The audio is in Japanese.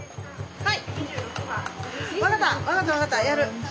はい。